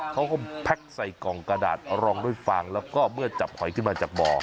เขาก็แพ็คใส่กล่องกระดาษรองด้วยฟางแล้วก็เมื่อจับหอยขึ้นมาจากบ่อ